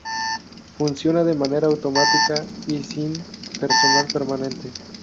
Funciona de manera automática y sin personal permanente.